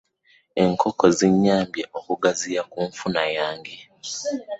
Enkoko zinnyambye okugaziya ku nfuna yange.